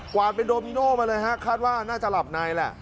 วาดเป็นโดมิโน่มาเลยฮะคาดว่าน่าจะหลับในแหละ